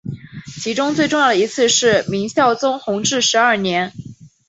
其中最重要的一次是明孝宗弘治十二年。